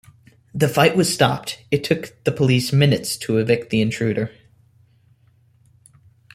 The fight was stopped, it took the police minutes to evict the intruder.